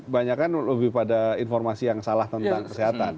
banyak kan lebih pada informasi yang salah tentang kesehatan